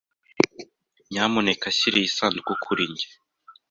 Nyamuneka shyira iyi sanduku kuri njye.